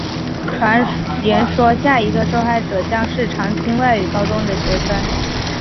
传言说下一个受害者将是常青外语高中的学生。